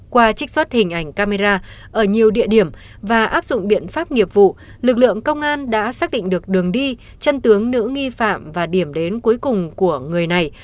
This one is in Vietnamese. qua trích xuất hình ảnh camera ở nhiều địa điểm và áp dụng biện pháp nghiệp vụ lực lượng công an đã xác định được đường đi chân tướng nữ nghi phạm và điểm đến cuối cùng của người này